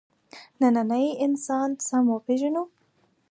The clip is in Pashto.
نننی انسان سمه وپېژنو.